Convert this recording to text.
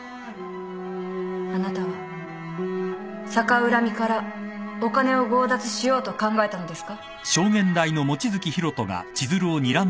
あなたは逆恨みからお金を強奪しようと考えたのですか。